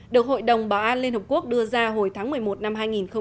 được hội đồng bảo an liên hợp quốc đưa ra hồi tháng một mươi một năm hai nghìn hai mươi